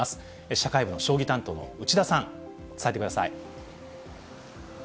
社会部の将棋担当の内田さん、伝えてください。